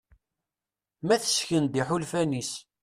Ma tesken-d iḥulfan-is.